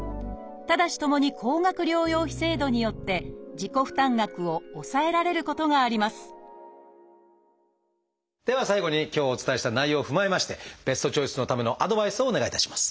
ただしともに高額療養費制度によって自己負担額を抑えられることがありますでは最後に今日お伝えした内容を踏まえましてベストチョイスのためのアドバイスをお願いいたします。